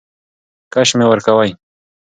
کش مي ورکوی .